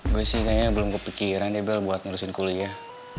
gue sih kayaknya belum kepikiran ya bel buat ngurusin kuliah